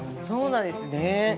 そうなんですね。